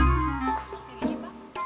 yang ini pak